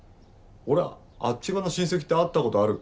俺はあっち側の親戚って会った事あるっけ？